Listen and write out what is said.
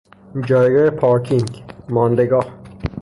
جایگاه پارکینگ، ماندگاه